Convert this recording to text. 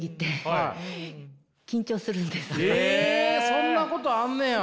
そんなことあんねや。